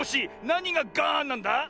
なにがガーンなんだ